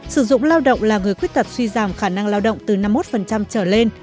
sử dụng lao động là người khuyết tật suy giảm khả năng lao động từ năm mươi một trở lên